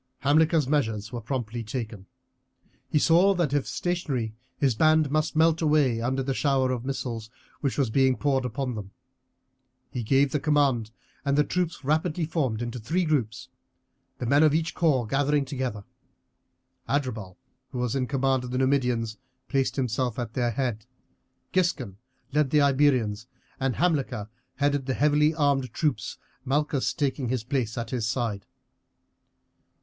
Hamilcar's measures were promptly taken. He saw that if stationary his band must melt away under the shower of missiles which was being poured upon them. He gave the command and the troops rapidly formed into three groups, the men of each corps gathering together. Adherbal, who was in command of the Numidians, placed himself at their head, Giscon led the Iberians, and Hamilcar headed the heavily armed troops, Malchus taking his place at his side.